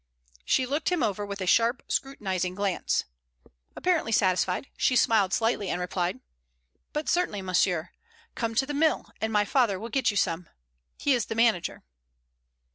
She looked him over with a sharp, scrutinizing glance. Apparently satisfied, she smiled slightly and replied: "But certainly, monsieur. Come to the mill and my father will get you some. He is the manager."